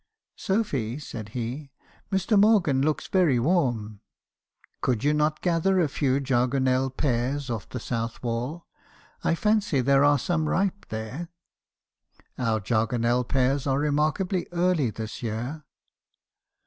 " 'Sophy,' said he, 'Mr. Morgan looks very warm; could you not gather a few jargonelle pears off the south wall? I fancy there are some ripe there. Our jargonelle pears are remarkably early this year.'